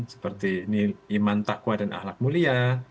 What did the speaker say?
seperti iman takwa dan ahlak mulia